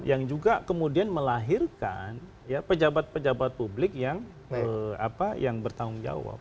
yang juga kemudian melahirkan pejabat pejabat publik yang bertanggung jawab